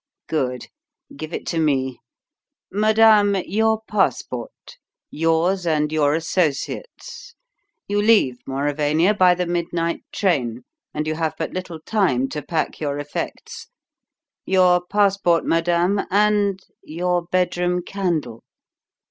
Good! Give it to me. Madame, your passport yours and your associates'. You leave Mauravania by the midnight train, and you have but little time to pack your effects. Your passport, madame, and your bedroom candle.